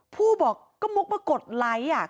กลุ่มวัยรุ่นฝั่งพระแดง